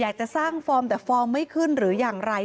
อยากจะสร้างฟอร์มแต่ฟอร์มไม่ขึ้นหรืออย่างไร